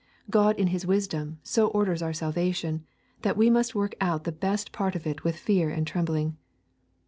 God in His wisdom so orders our salvation, that we must work out the best part of it with fear and trembling.